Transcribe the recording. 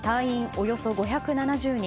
およそ５７０人